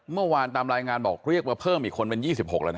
เมื่อวานตามรายงานบอกเรียกว่าเพิ่มอีกคนเป็น๒๖แล้วนะ